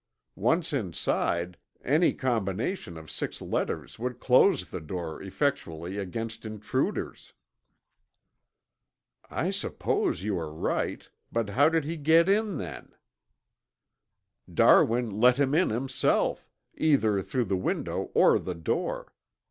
Once inside any combination of six letters would close the door effectually against intruders." "I suppose you are right, but how did he get in then?" "Darwin let him in himself, either through the window or the door.